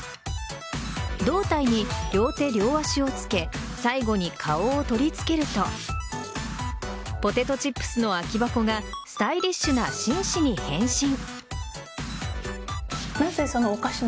胴体に両手・両足をつけ最後に顔を取り付けるとポテトチップスの空き箱がスタイリッシュな紳士に変身。